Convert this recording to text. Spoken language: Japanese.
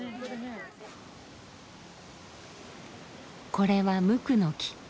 これはムクノキ。